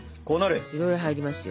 いろいろ入りますよ。